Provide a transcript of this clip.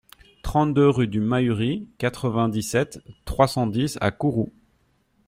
trente-deux rue du Mahury, quatre-vingt-dix-sept, trois cent dix à Kourou